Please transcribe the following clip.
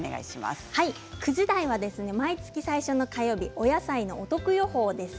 ９時台は毎月最初の火曜日お野菜のお得予報です。